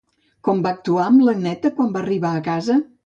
Com va actuar amb l'Anneta quan va arribar a casa?